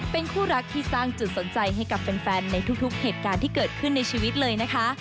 เป็นคู่รักที่สร้างจุดสนใจให้กับแฟนในทุกเหตุการณ์ที่เกิดขึ้นในชีวิตเลยนะคะ